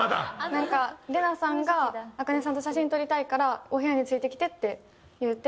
なんか麗奈さんが茜さんと写真撮りたいからお部屋に連れてきてって言って。